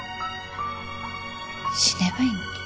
死ねばいいのに。